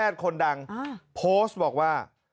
เพียสคนดังผู้ออกมาบอกว่า